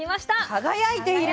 輝いている。